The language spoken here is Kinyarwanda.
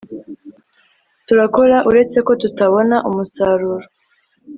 turakora uretse ko tutabona umusaruro